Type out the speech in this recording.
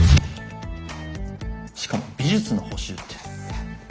しかも美術の補習って。